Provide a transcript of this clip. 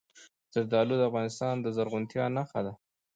زردالو د افغانستان د زرغونتیا نښه ده.